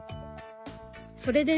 それでね